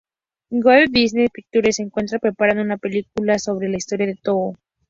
Walt Disney Pictures se encuentra preparando una película sobre la historia de Togo.